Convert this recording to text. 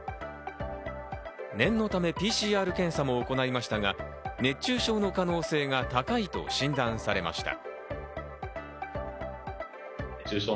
念のためＰＣＲ検査も行いましたが、熱中症の可能性が高いと診断されました。